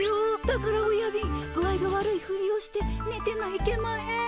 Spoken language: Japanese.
だからおやびん具合が悪いふりをしてねてないけまへん。